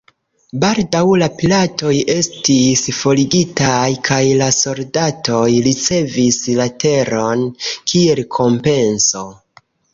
Baldaŭ la piratoj estis forigitaj kaj la soldatoj ricevis la teron kiel kompenso.